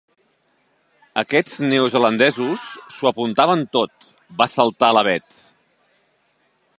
Aquests neozelandesos s'ho apuntaven tot! —va saltar la Bet.